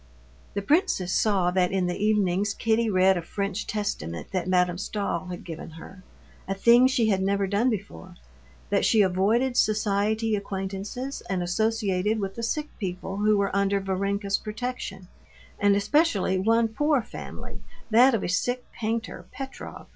The princess saw that in the evenings Kitty read a French testament that Madame Stahl had given her—a thing she had never done before; that she avoided society acquaintances and associated with the sick people who were under Varenka's protection, and especially one poor family, that of a sick painter, Petrov.